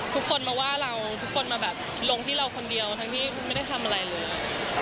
ทุกคนมาว่าเราทุกคนมาแบบลงที่เราคนเดียวทั้งที่ไม่ได้ทำอะไรเลย